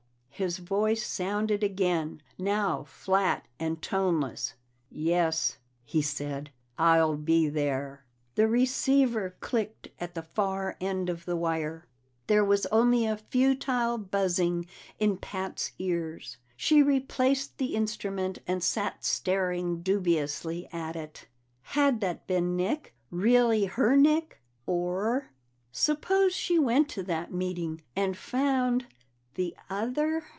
His voice sounded again, now flat and toneless. "Yes," he said. "I'll be there." The receiver clicked at the far end of the wire; there was only a futile buzzing in Pat's ears. She replaced the instrument and sat staring dubiously at it. Had that been Nick, really her Nick, or ? Suppose she went to that meeting and found the other?